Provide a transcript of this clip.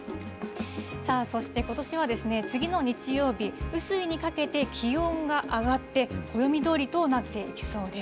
さあ、そしてことしはですね、次の日曜日、雨水にかけて気温が上がって、暦どおりとなっていきそうです。